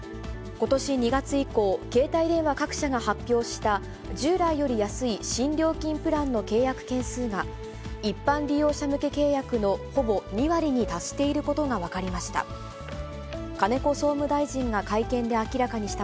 ことし２月以降、携帯電話各社が発表した従来より安い新料金プランの契約件数が、一般利用者向け契約の、ほぼ２割に達していることが分かりました。